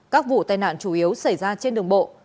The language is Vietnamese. các vụ tai nạn chủ yếu xảy ra trên đường bộ